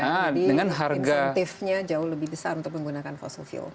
jadi insentifnya jauh lebih besar untuk menggunakan fossil fuel